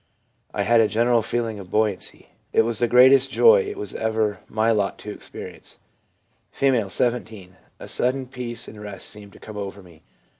I had a general feeling of buoyancy. It was the greatest joy it was ever my lot to experience.' R, 17. 'A sudden peace and rest seemed to come over me.